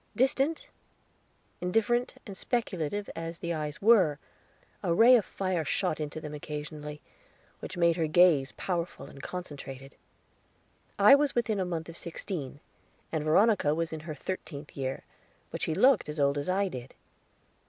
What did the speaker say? Distant, indifferent, and speculative as the eyes were, a ray of fire shot into them occasionally, which made her gaze powerful and concentrated. I was within a month of sixteen, and Veronica was in her thirteenth year; but she looked as old as I did.